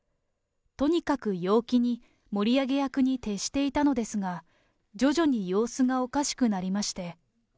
とにかく陽気に、盛り上げ役に徹していたのですが、徐々に様子がおかしくなりまして。